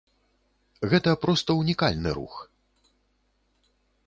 Гэта проста ўнікальны рух.